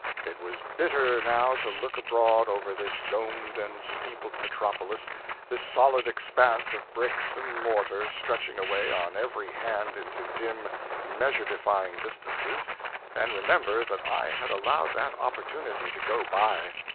It was bitter now to look abroad over this domed and steepled metropolis, this solid expanse of bricks and mortar stretching away on every hand into dim, measure defying distances, and remember that I had allowed that opportunity to go by.